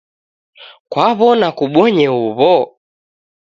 Kwaw'ona kubonye uw'o?